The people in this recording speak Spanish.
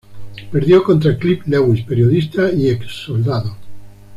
Perdió contra Clive Lewis, periodista y ex soldado.